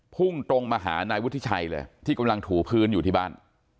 พุ่งตรงมาหานายวุฒิชัยเลยที่กำลังถูพื้นอยู่ที่บ้าน